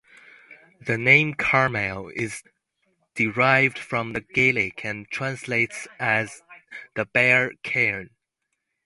The name Carmyle is derived from Gaelic and translates as "the bare cairn".